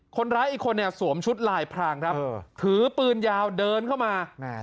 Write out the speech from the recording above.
คนร้ายอีกคนเนี่ยสวมชุดลายพรางครับถือปืนยาวเดินเข้ามา